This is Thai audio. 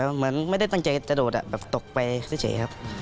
เหมือนไม่ได้ตั้งใจจะโดดแบบตกไปเฉยครับ